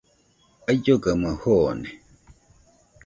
Aullogaɨmo joone.